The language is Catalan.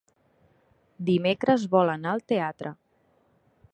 Dimecres vol anar al teatre.